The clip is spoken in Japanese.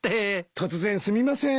突然すみません。